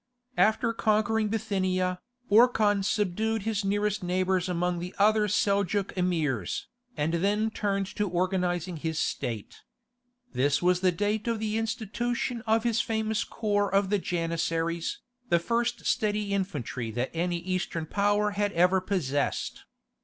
After conquering Bithynia, Orkhan subdued his nearest neighbours among the other Seljouk Emirs, and then turned to organizing his state. This was the date of the institution of his famous corps of the Janissaries, the first steady infantry that any Eastern power had ever possessed.